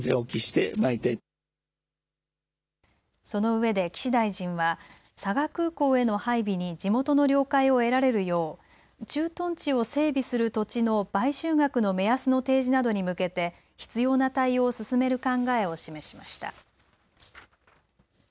そのうえで岸大臣は佐賀空港への配備に地元の了解を得られるよう駐屯地を整備する土地の買収額の目安の提示などに向けて必要な対応を進める考えを示しました。